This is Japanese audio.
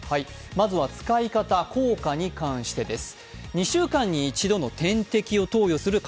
まずは使い方、効果に関してです。